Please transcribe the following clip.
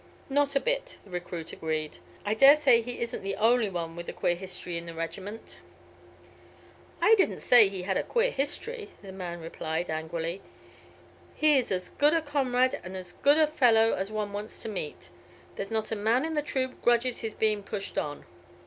"Not a bit," the recruit agreed. "I dare say he isn't the only one with a queer history in the regiment." "I didn't say he had a queer history," the man replied, angrily. "He is as good a comrade, and as good a fellow as one wants to meet; there's not a man in the troop grudges his being pushed on."